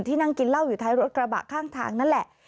นั่งกินเหล้าอยู่ท้ายรถกระบะข้างทางนั่นแหละ